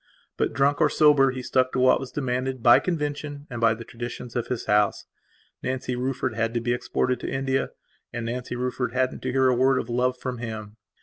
But, drunk or sober, he stuck to what was demanded by convention and by the traditions of his house. Nancy Rufford had to be exported to India, and Nancy Rufford hadn't to hear a word of love from him.